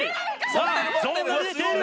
さあゾーンが見えている！